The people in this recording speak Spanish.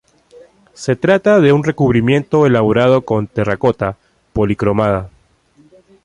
Se trata de un recubrimiento elaborado con terracota policromada.